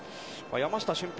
山下舜平